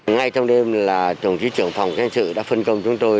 ngay trong đêm là trưởng trí trưởng phòng trang sự đã phân công chúng tôi